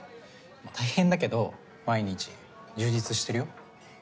まあ大変だけど毎日充実してるよ。